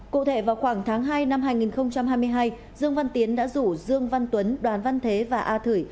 cụ thể vào khoảng tháng hai năm hai nghìn hai mươi hai dương văn tiến đã rủ dương văn tuấn đoàn văn thế và a thử